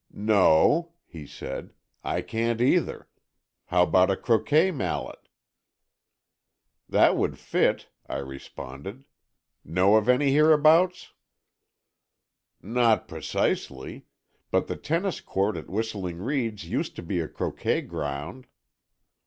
"No," he said, "I can't either. How about a croquet mallet?" "That would fit," I responded. "Know of any here abouts?" "Not precisely. But the tennis court at Whistling Reeds used to be a croquet ground."